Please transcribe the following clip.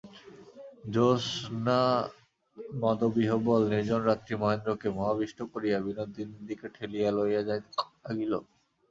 জ্যোৎস্নামদবিহ্বল নির্জন রাত্রি মহেন্দ্রকে মোহাবিষ্ট করিয়া বিনোদিনীর দিকে ঠেলিয়া লইয়া যাইতে লাগিল।